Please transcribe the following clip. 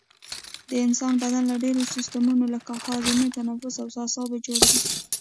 د انسان بدن له ډیرو سیستمونو لکه هاضمه تنفس او اعصابو جوړ دی